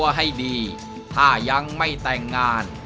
ให้ดีถ้ายังไม่แต่งงาน